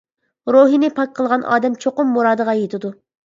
روھىنى پاك قىلغان ئادەم چوقۇم مۇرادىغا يېتىدۇ.